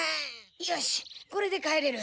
よしこれで帰れる。